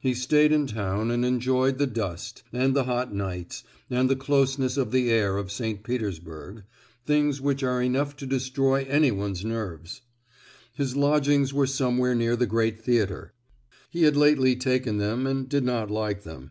He stayed in town and enjoyed the dust, and the hot nights, and the closeness of the air of St. Petersburg, things which are enough to destroy anyone's nerves. His lodgings were somewhere near the Great Theatre; he had lately taken them, and did not like them.